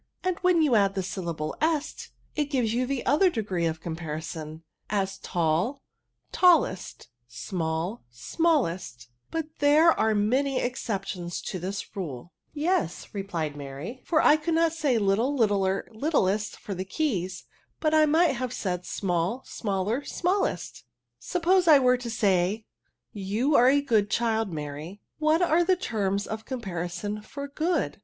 And when you add the syllable est it gives you the other degree of comparison; as tall, tallest, small, smallest; but there are many exceptions to this rule/' " Yes," replied Mary, for I could not say little, littler, littlest, for the keys ; but I might have said, small, smaller, smallest/* '^ Suppose I were to say, ^ You are a good child, Mary,' what are the terms of com parison for good